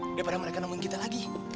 daripada mereka nemuin kita lagi